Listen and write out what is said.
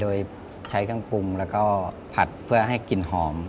โดยใช้ขั้นปุ่มแล้วก็ผัดเพื่อให้กลิ่นหอม